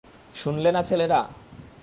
শুনলে না ছেলেরা!